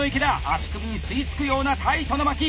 足首に吸い付くようタイトな巻き。